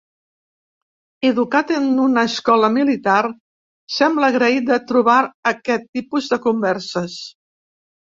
Educat en una escola militar, sembla agraït de trobar aquest tipus de converses.